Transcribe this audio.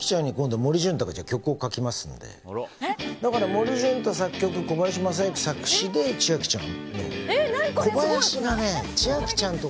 森純太作曲小林雅之作詞で千秋ちゃん。